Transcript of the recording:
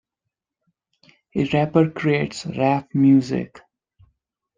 A rapper creates rap music.